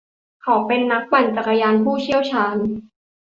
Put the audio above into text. เขาเป็นนักปั่นจักรยานผู้เชี่ยวชาญ